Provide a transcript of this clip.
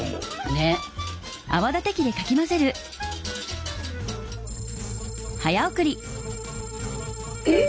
ねっ。えっ！